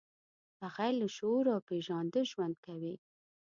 بغیر له شعور او پېژانده ژوند کوي.